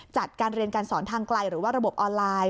จัดการเรียนการสอนทางไกลหรือว่าระบบออนไลน์